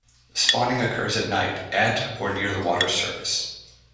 Spawning occurs at night, at or near the water's surface.